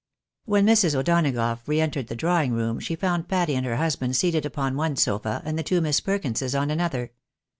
When Mrs. O'Donagough re entered the drawing room, she found Patty and her husband seated upon one sofa, and the two Miss Perkinses on another.